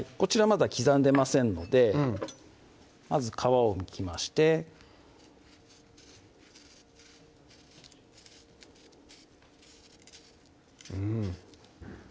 まだ刻んでませんのでまず皮をむきましてうん